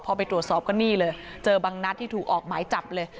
พอไปตรวจสอบก็นี่เลยเจอบางนัดที่ถูกออกหมายจับเลย